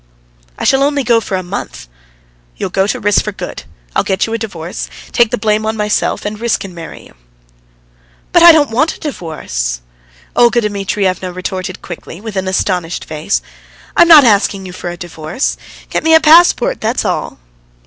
"I shall only go for a month." "You'll go to Riss for good. I'll get you a divorce, take the blame on myself, and Riss can marry you." "But I don't want a divorce!" Olga Dmitrievna retorted quickly, with an astonished face. "I am not asking you for a divorce! Get me a passport, that's all."